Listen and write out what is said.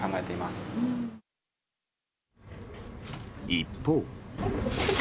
一方。